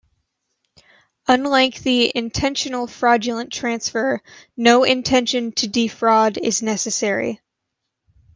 Unlike the intentional fraudulent transfer, no intention to defraud is necessary.